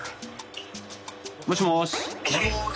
もしもし。